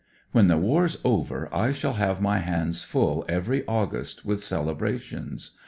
" When the war's over I shall have my hands full every August with celebrations.